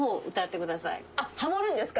ハモるんですか？